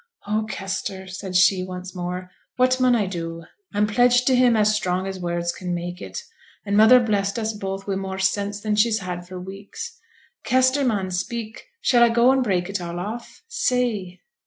'Oh, Kester,' said she once more, 'what mun I do? I'm pledged to him as strong as words can make it, and mother blessed us both wi' more sense than she's had for weeks. Kester, man, speak! Shall I go and break it all off? say.'